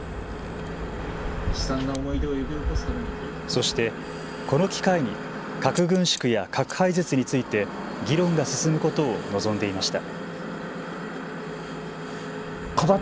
そしてこの機会に核軍縮や核廃絶について議論が進むことを望んでいました。